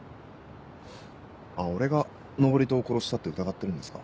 あ俺が登戸を殺したって疑ってるんですか？